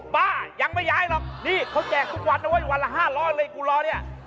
บ้ายังไม่ย้ายหรอกนี่เขาแจกทุกวันนะเว้ยวันละ๕๐๐เลยกูรอเนี่ย